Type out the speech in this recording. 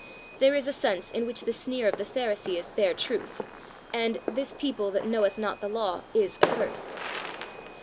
There is a sense in which the sneer of the Pharisee is bare truth, and "this people that knoweth not the law is accursed."